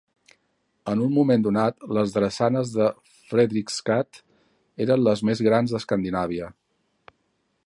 En un moment donat les drassanes de Fredrikstad eren les més grans d'Escandinàvia.